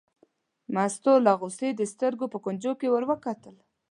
مستو له غوسې د سترګو په کونجو کې ور وکتل.